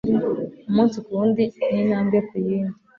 umunsi kuwundi n'intambwe ku yindi